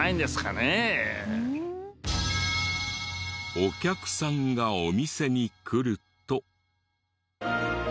お客さんがお店に来ると。